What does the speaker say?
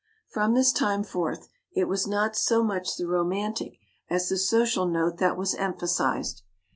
From this time forth it was not so much the romantic as the social note that was emphasized.